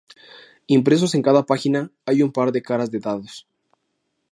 Impresos en cada página hay un par de caras de dados.